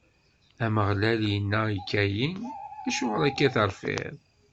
Ameɣlal inna i Kayin: Acuɣer akka i terfiḍ?